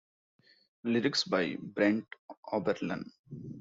Lyrics by Brent Oberlin.